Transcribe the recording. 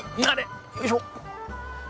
よいしょっ！